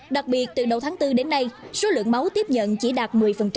đặc biệt từ đầu tháng bốn đến nay số lượng máu tiếp nhận chỉ đạt một mươi